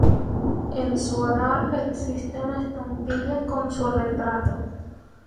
En su honor existe una estampilla con su retrato.